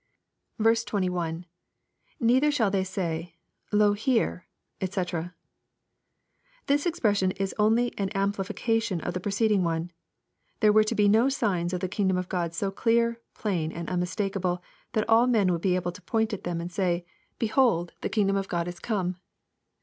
21. — [Neiiher shall they say, Lo here I &c,] This expression is only an amplification of the preceding one There were to be no signs of the kingdom of God so clear, plain, and unmistakeable, that all men would be able to point at them and say, " Behold^ 11 242 EXPOSITORY THOUGHTS. the kingdom of Gk)d is corae."